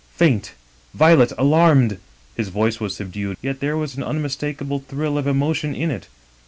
faint, Violet, alarmed!' His voice was sub dued, yet there was an unmistakable thrill of emotion in it.